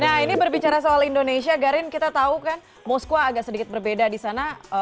nah ini berbicara soal indonesia garin kita tahu kan moskwa agak sedikit berbeda di sana